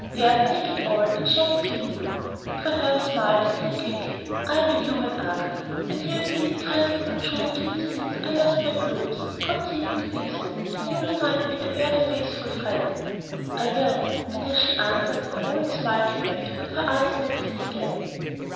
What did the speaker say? There, take it all, and share between you." Treherne smiled, and said quickly, "I am a human Argus, and you have been a kind little Juno to me since I lost my plumes. Continue to be so, and you will find me a very faithful friend." "I will." And as she answered, her old smile came back and her eyes met his again.